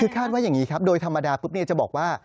คือคาดว่าอย่างนี้ครับโดยธรรมดาปุ๊บจะบอกว่า